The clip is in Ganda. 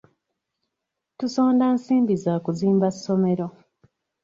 Tusonda nsimbi za kuzimba ssomero.